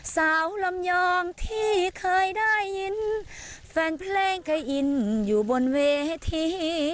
ลำยอมที่เคยได้ยินแฟนเพลงเคยอินอยู่บนเวที